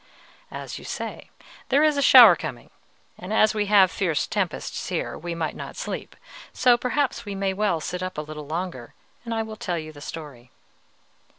"As you say, there is a shower coming, and as we have fierce tempests here, we might not sleep; so perhaps we may as well sit up a little longer, and I will tell you the story."